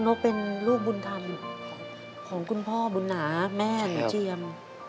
นกเป็นลูกบุญธรรมของคุณพ่อบุญหนาแม่หนูเจียม